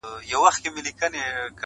سیاست، حقوق او نور